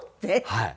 はい。